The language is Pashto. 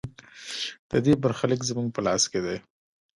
د دې برخلیک زموږ په لاس کې دی؟